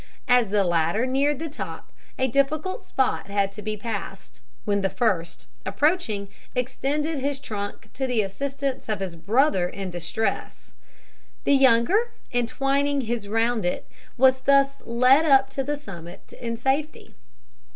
As the latter neared the top, a difficult spot had to be passed, when the first, approaching, extended his trunk to the assistance of his brother in distress. The younger, entwining his round it, was thus led up to the summit in safety.